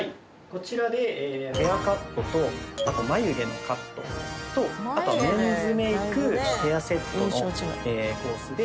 こちらでヘアカットとあと眉毛のカットとあとはメンズメイクヘアセットのコースで。